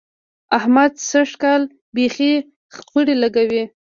احمد سږ کال بېخي خپړې لګوي.